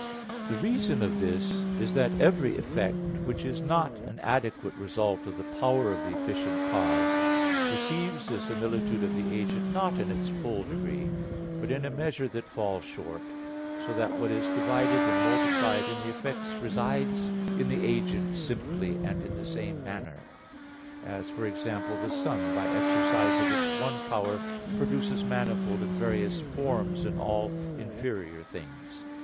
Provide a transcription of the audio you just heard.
The reason of this is that every effect which is not an adequate result of the power of the efficient cause, receives the similitude of the agent not in its full degree, but in a measure that falls short, so that what is divided and multiplied in the effects resides in the agent simply, and in the same manner; as for example the sun by exercise of its one power produces manifold and various forms in all inferior things.